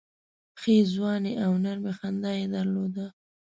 ښې ځواني او نرمي خندا یې درلوده.